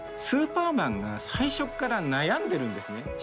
スーパーマンが最初っから悩んでるんですね。